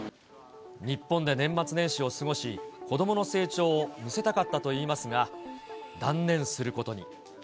日本で年末年始を過ごし、子どもの成長を見せたかったといいますが、断念することに。